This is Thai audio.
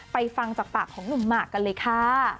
ฟังจากปากของหนุ่มหมากกันเลยค่ะ